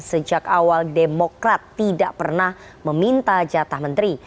sejak awal demokrat tidak pernah meminta jatah menteri